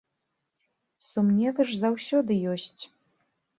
Сумневы ж заўжды ёсць.